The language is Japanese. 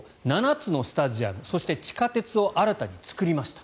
７つのスタジアムそして地下鉄を新たに作りました。